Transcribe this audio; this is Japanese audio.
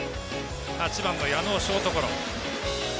８番の矢野をショートゴロ。